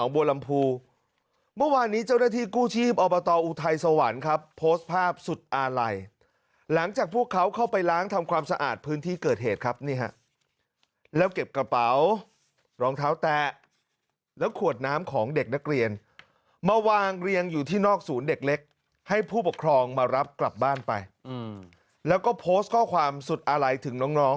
บัวลำพูเมื่อวานนี้เจ้าหน้าที่กู้ชีพอบตอุทัยสวรรค์ครับโพสต์ภาพสุดอาลัยหลังจากพวกเขาเข้าไปล้างทำความสะอาดพื้นที่เกิดเหตุครับนี่ฮะแล้วเก็บกระเป๋ารองเท้าแตะแล้วขวดน้ำของเด็กนักเรียนมาวางเรียงอยู่ที่นอกศูนย์เด็กเล็กให้ผู้ปกครองมารับกลับบ้านไปแล้วก็โพสต์ข้อความสุดอาลัยถึงน้อง